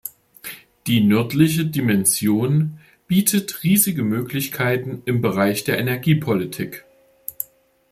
Die Nördliche Dimension bietet riesige Möglichkeiten im Bereich der Energiepolitik.